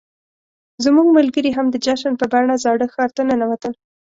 زموږ ملګري هم د جشن په بڼه زاړه ښار ته ننوتل.